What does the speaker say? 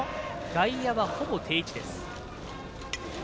外野は、ほぼ定位置。